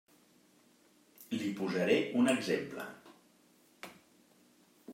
Li posaré un exemple.